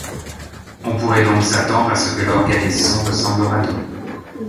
On pourrait donc s'attendre à ce que l'oganesson ressemble au radon.